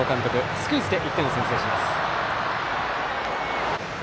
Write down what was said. スクイズで１点を先制します。